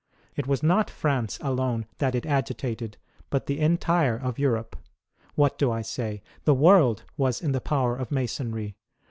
It was not France alone that it agitated, but the entire of Europe. What do I say ? The world was in the power of Masonry.